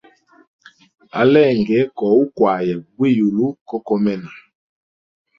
Alenge koukwaya buyulu ko komena.